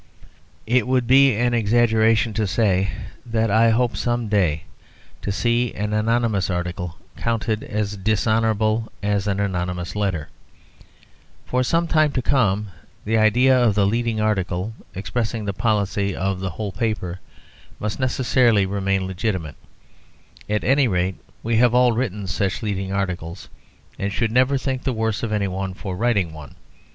It would be an exaggeration to say that I hope some day to see an anonymous article counted as dishonourable as an anonymous letter. For some time to come, the idea of the leading article, expressing the policy of the whole paper, must necessarily remain legitimate; at any rate, we have all written such leading articles, and should never think the worse of any one for writing one.